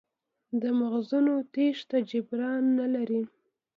د مغزونو تېښته جبران نه لري.